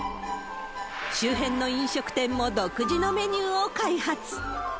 周辺の飲食店も独自のメニューを開発。